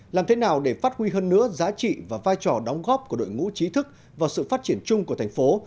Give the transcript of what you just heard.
làm thế nào để phát huy hơn nữa giá trị và vai trò đóng góp của đội ngũ trí thức vào sự phát triển chung của thành phố